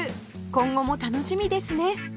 今後も楽しみですね